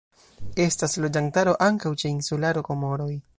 Estas loĝantaro ankaŭ ĉe insularo Komoroj.